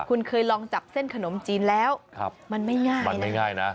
คุณเคยลองจับเส้นขนมจีนแล้วมันไม่ง่ายนะ